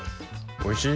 おいしい！